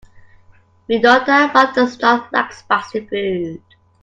We know that Mark does not like spicy food.